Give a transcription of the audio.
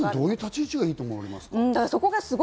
どういう立ち位置がいいと思いますか？